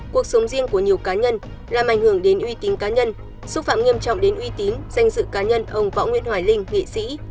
cuộc sống riêng của nhiều cá nhân làm ảnh hưởng đến uy tín cá nhân xúc phạm nghiêm trọng đến uy tín danh dự cá nhân ông võ nguyễn hoài linh nghệ sĩ